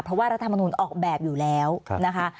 เพราะว่ารัฐมนุนออกแบบอยู่แล้วนะคะ